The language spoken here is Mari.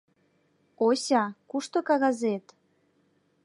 — Ося, кушто кагазет?